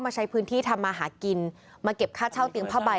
ใช้พื้นที่ทำมาหากินมาเก็บค่าเช่าเตียงผ้าใบ